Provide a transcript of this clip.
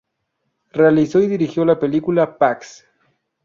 Realizó y dirigió la película "¿Pax?